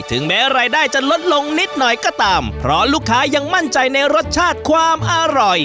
ถึงแม้รายได้จะลดลงนิดหน่อยก็ตามเพราะลูกค้ายังมั่นใจในรสชาติความอร่อย